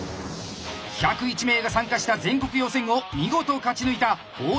１０１名が参加した全国予選を見事勝ち抜いた包帯